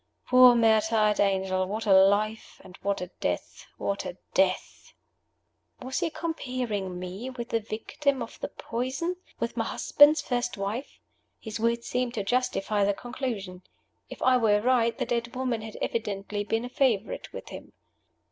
Poor martyred angel! What a life! And what a death! what a death!" Was he comparing me with the victim of the poison with my husband's first wife? His words seemed to justify the conclusion. If I were right, the dead woman had evidently been a favorite with him.